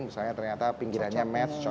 misalnya ternyata pinggirannya match